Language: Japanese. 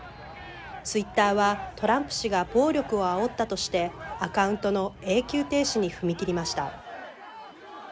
ツイッターはトランプ氏が暴力をあおったとしてアカウントの永久停止に踏み切りました。